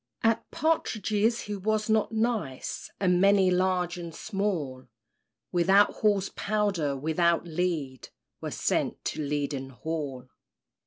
At partridges he was not nice; And many, large and small, Without Hall's powder, without lead, Were sent to Leaden Hall.